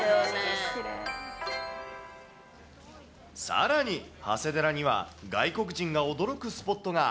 さらに、長谷寺には外国人が驚くスポットが。